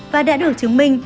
và đã được chứng minh